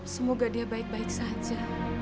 semoga dia baik baik saja